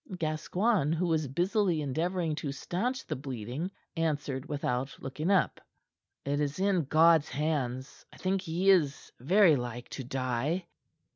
Gascoigne, who was busily endeavoring to stanch the bleeding, answered without looking up: "It is in God's hands. I think he is very like to die."